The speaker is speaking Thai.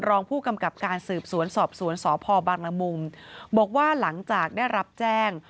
รองผู้กำกับการสืบสวนสอบสวนสพบังละมุงบอกว่าหลังจากได้รับแจ้ง